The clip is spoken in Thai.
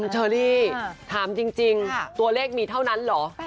เชอรี่ถามจริงตัวเลขมีเท่านั้นเหรอ